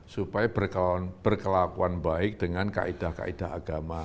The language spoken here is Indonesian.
supaya berkelakuan baik dengan kaedah kaedah agama